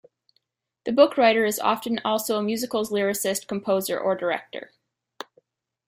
The bookwriter is often also the musical's lyricist, composer, or director.